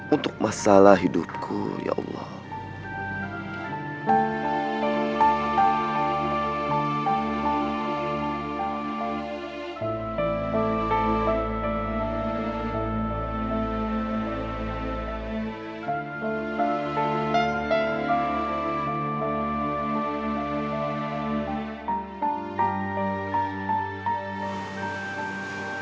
untuk masalah hidupku ya allah